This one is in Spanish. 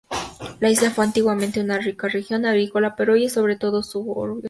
La isla fue antiguamente una rica región agrícola, pero hoy es sobre todo suburbios.